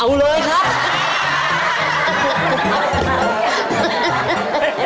เอาเลยครับ